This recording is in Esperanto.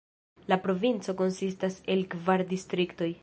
La provinco konsistas el kvar distriktoj.